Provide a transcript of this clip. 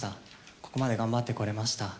ここまで頑張ってこれました。